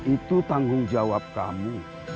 itu tanggung jawab kamu